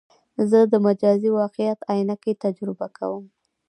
زه د مجازي واقعیت عینکې تجربه کوم.